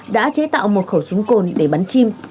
đã chế tạo một khẩu súng cồn để bắn chim